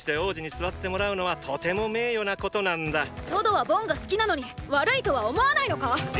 トドはボンが好きなのに悪いとは思わないのか⁉え？